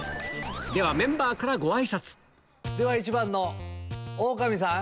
ではメンバーからごあいさつでは１番のオオカミさん。